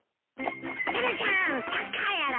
タラちゃんサッカーやろ。